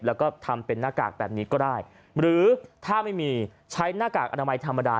แล้วก็ทำเป็นหน้ากากแบบนี้ก็ได้หรือถ้าไม่มีใช้หน้ากากอนามัยธรรมดา